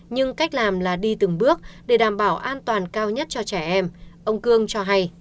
nhưng cách làm là đi từng bước để đảm bảo an toàn cao nhất cho trẻ em ông cương cho hay